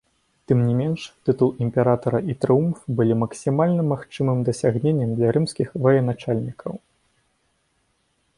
Тым не менш, тытул імператара і трыумф былі максімальным магчымым дасягненнем для рымскіх военачальнікаў.